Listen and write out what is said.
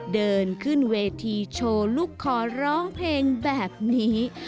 เดินขึ้นเวทีโชว์ลูกคอร้องเพลงแบบนี้